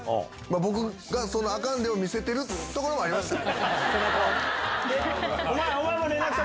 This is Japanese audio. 僕がそのあかんでを見せてるところがありましたね。